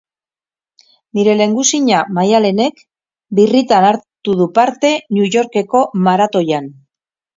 Nire lehengusina Maialenek birritan hartu du parte New Yorkeko maratoian.